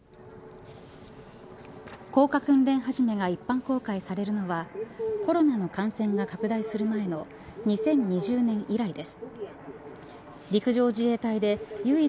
降下訓練始めが一般公開されるのはコロナの感染が拡大する前の２０２０年以来です。